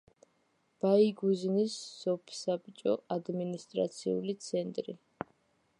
ბაიგუზინის სოფსაბჭოს ადმინისტრაციული ცენტრი.